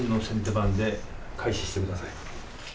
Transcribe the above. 番で開始してください。